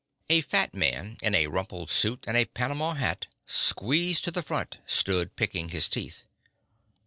A fat man in a rumpled suit and a panama hat squeezed to the front, stood picking his teeth.